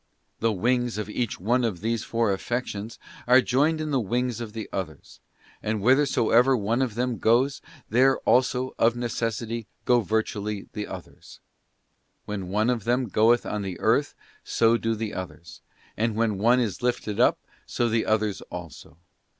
'* The wings of each one of these four affections are joined to the wings of the others, and whithersoever one of them goes there also of necessity go virtually the others. When one of them goeth on the earth so do the others, and when one is lifted up, so the others also.